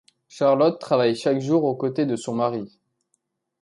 Charlotte travaille chaque jour aux côtés de son mari.